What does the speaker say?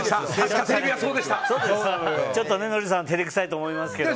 ちょっとノリさんは照れくさいと思いますけど。